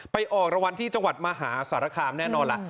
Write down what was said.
ออกรางวัลที่จังหวัดมหาสารคามแน่นอนล่ะ